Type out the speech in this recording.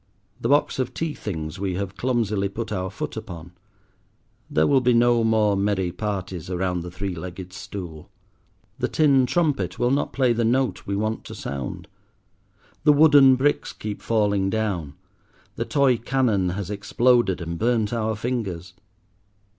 The box of tea things we have clumsily put our foot upon; there will be no more merry parties around the three legged stool. The tin trumpet will not play the note we want to sound; the wooden bricks keep falling down; the toy cannon has exploded and burnt our fingers.